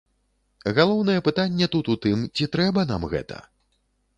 Галоўнае пытанне тут у тым, ці трэба нам гэта?